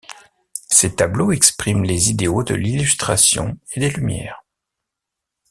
Ces tableaux expriment les idéaux de l'Illustration et des Lumières.